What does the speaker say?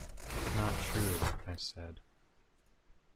Not true, I said.